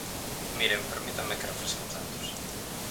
Miren, permítanme que refresque uns datos.